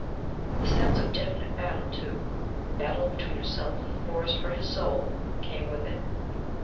The sense of definite battle, too battle between herself and the Forest for his soul came with it.